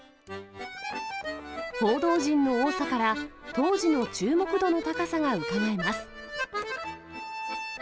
報道陣の多さから、当時の注目度の高さがうかがえます。